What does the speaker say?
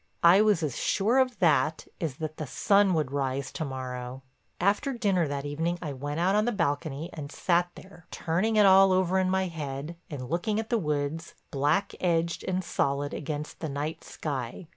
I was as sure of that as that the sun would rise to morrow. After dinner that evening I went out on the balcony and sat there, turning it all over in my head, and looking at the woods, black edged and solid against the night sky.